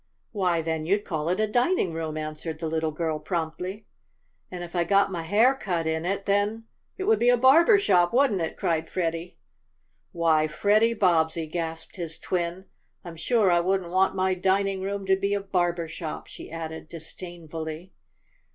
"Why, then you'd call it a dining room," answered the little girl promptly. "And if I got my hair cut in it, then it would be a barber shop, wouldn't it?" cried Freddie. "Why, Freddie Bobbsey!" gasped his twin. "I'm sure I wouldn't want my dining room to be a barber shop," she added disdainfully.